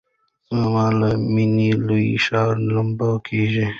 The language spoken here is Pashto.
زما له میني لوی ښارونه لمبه کیږي